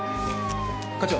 課長。